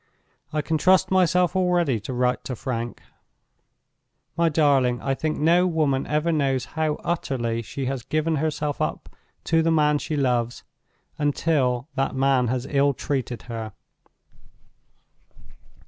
I can trust myself already to write to Frank. "My darling, I think no woman ever knows how utterly she has given herself up to the man she loves—until that man has ill treated her.